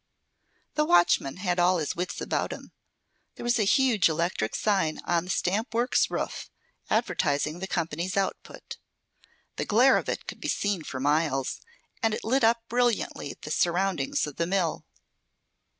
The watchman had all his wits about him. There was a huge electric sign on the stamp works roof, advertising the company's output. The glare of it could be seen for miles, and it lit up brilliantly the surroundings of the mill.